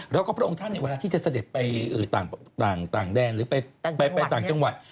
แล้วก็พระองค์ท่านเวลาที่จะเสด็จไปต่างแดนหรือไปต่างจังหวัด